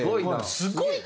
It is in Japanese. すごいな。